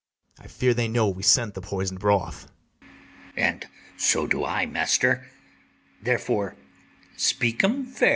I fear they know we sent the poison'd broth. ITHAMORE. And so do I, master; therefore speak 'em fair.